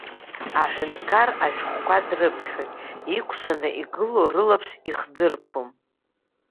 Аҳәынҭқар ашәҟәқәа дрыԥхьоит, икәшаны игылоу рылаԥш ихдырԥом.